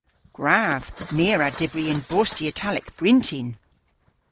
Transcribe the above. Gwrav! My a wra dybri yn bosti Italek bryntin.